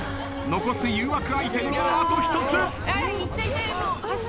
残す誘惑アイテムはあと一つ。